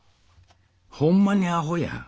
ほんまにアホや。